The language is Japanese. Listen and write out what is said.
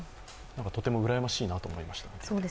とてもうらやましいなと思いました。